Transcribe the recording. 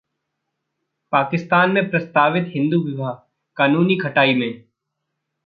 पाकिस्तान में प्रस्तावित हिंदू विवाह कानून खटाई में